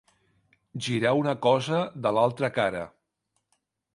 Girar una cosa de l'altra cara.